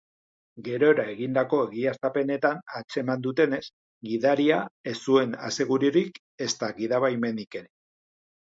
Gerora egindako egiaztapenetan atzeman dutenez, gidaria ez zuen asegururik ezta gidabaimenik ere.